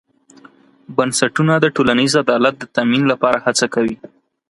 بنسټونه د ټولنیز عدالت د تامین لپاره هڅه کوي.